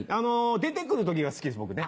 出て来る時が好きです僕ね。